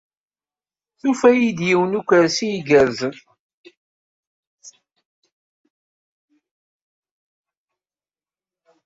Tufa-iyi-d yiwen n ukersi igerrzen.